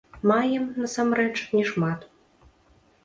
Маем, насамрэч, не шмат.